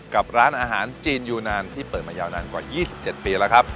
กับร้านอาหารจีนยูนานที่เปิดมายาวนานกว่า๒๗ปีแล้วครับ